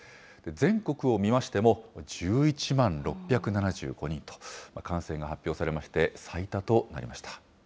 全国を見ましても、１１万６７５人と、感染が発表されまして、最多となりました。